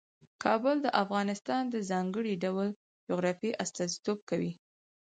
کابل د افغانستان د ځانګړي ډول جغرافیه استازیتوب کوي.